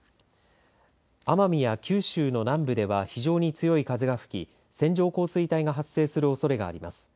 奄美や九州の南部では非常に強い風が吹き線状降水帯が発生するおそれがあります。